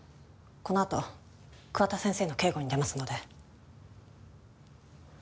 このあと桑田先生の警護に出ますので。